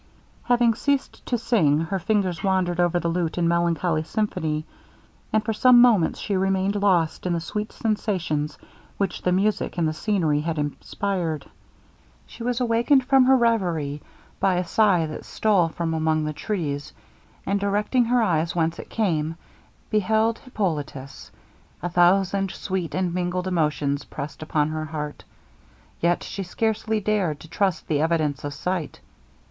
Having ceased to sing, her fingers wandered over the lute in melancholy symphony, and for some moments she remained lost in the sweet sensations which the music and the scenery had inspired. She was awakened from her reverie, by a sigh that stole from among the trees, and directing her eyes whence it came, beheld Hippolitus! A thousand sweet and mingled emotions pressed upon her heart, yet she scarcely dared to trust the evidence of sight.